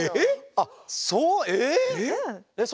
あっそうえっ！？